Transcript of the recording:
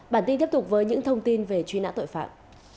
bản tin tiếp tục với những thông tin về truy nã tội phạm